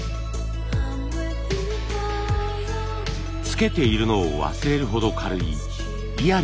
着けているのを忘れるほど軽いイヤリング。